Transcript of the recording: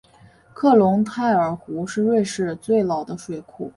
克隆泰尔湖是瑞士最老的水库。